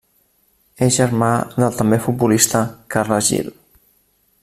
És germà del també futbolista Carles Gil.